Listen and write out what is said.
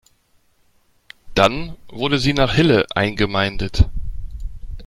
Dann wurde sie nach Hille eingemeindet.